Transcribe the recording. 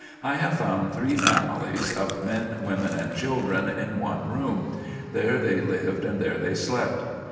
I have found three families, of men, women, and children, in one room; there they lived and there they slept.